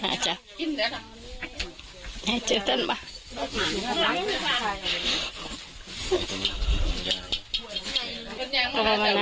ต้องกินลำบากแกก็ดูแลลูกให้นะ